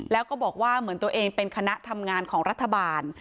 แล้วก็บอกว่าเหมือนตัวเองเป็นคณะทำงานของรัฐบาล